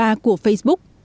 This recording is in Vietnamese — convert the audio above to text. đồng libra của facebook